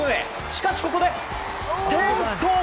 しかし、ここで転倒！